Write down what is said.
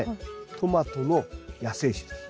トマトの野生種です。